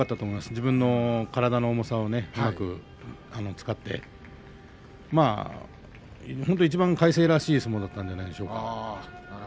自分の体の大きさをうまく使っていちばん魁聖らしい相撲だったんではないでしょうか。